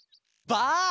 ばあ！